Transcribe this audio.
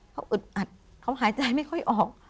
เขาอึดอัดเขาหายใจไม่ค่อยออก